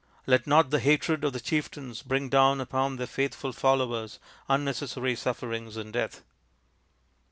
Let not the hatred of the chieftains bring down upon their faithful followers unnecessary sufferings and death."